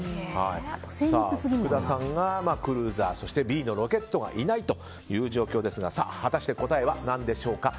福田さんがクルーザーそしてＢのロケットがいないという状況ですが果たして答えは何でしょうか。